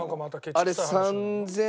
あれ３０００。